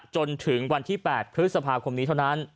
จนถึงวันที่๘พฤษภาคมนี้เท่านั้น